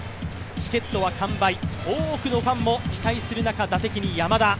チケットは完売、多くのファンも期待する中、打席に山田。